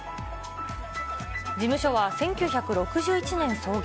事務所は１９６１年創業。